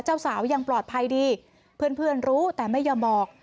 เจ้าสาวยังปลอดภัยดีเพื่อนรู้แต่ไม่ยอมบอก